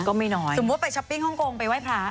ก็ไม่น้อยสมมุติไปช้อปปิ้งฮ่องกงไปไหว้พระ